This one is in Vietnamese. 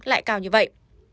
lại cao như vậy